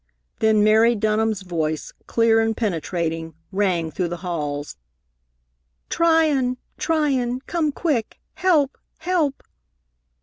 Then Mary Dunham's voice, clear and penetrating, rang through the halls: "Tryon, Tryon! Come quick! Help! Help!"